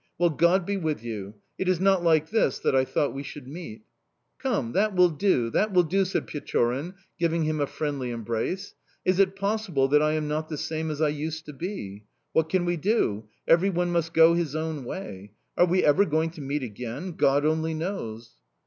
Well, God be with you!... It is not like this that I thought we should meet." "Come! That will do, that will do!" said Pechorin, giving him a friendly embrace. "Is it possible that I am not the same as I used to be?... What can we do? Everyone must go his own way... Are we ever going to meet again? God only knows!"